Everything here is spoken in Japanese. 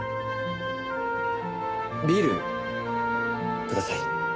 ビールください。